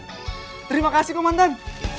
terima kasih komandan